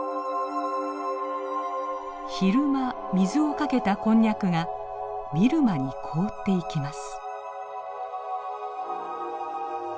昼間水をかけたこんにゃくが見るまに凍っていきます。